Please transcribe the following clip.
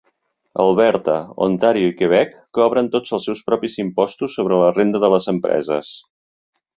Alberta, Ontario i Quebec cobren tots els seus propis impostos sobre la renda de les empreses.